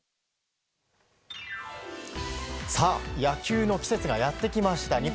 野球の季節がやってきました。